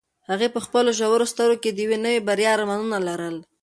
هغې په خپلو ژورو سترګو کې د یوې نوې بریا ارمانونه لرل.